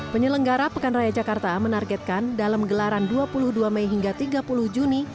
penyelenggara pekan raya jakarta menargetkan dalam gelaran dua puluh dua mei hingga tiga puluh juni